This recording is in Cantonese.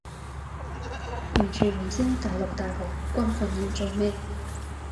完全唔知大陸大學軍訓要做咩